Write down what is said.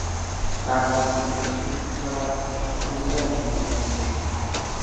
তাঁর কর্মজীবনের সূত্রপাত ঘটেছিল একজন মডেল হিসেবে।